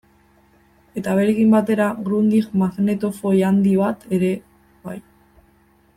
Eta berekin batera Grundig magnetofoi handi bat ere bai.